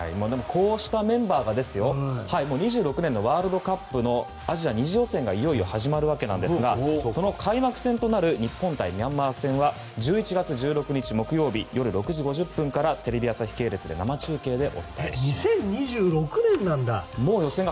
こうしたメンバーが２６年のワールドカップのアジア２次予選がいよいよ始まるわけですがその開幕戦となる日本対ミャンマー戦は１１月１６日木曜日夜６時５０分からテレビ朝日系列で生中継でお伝えします。